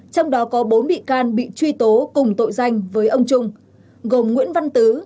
trong đó có bốn bị can bị truy tố cùng tội danh với ông trung gồm nguyễn văn tứ